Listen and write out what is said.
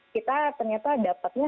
kita ternyata dapatnya